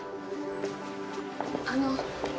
あの。